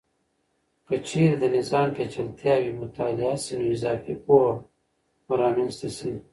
که چیرې د نظام پیچلتیاوې مطالعه سي، نو اضافي پوهه به رامنځته سي.